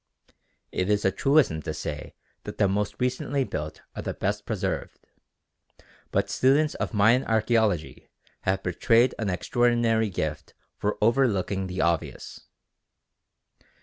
It is a truism to say that the most recently built are the best preserved; but students of Mayan archæology have betrayed an extraordinary gift for overlooking the obvious.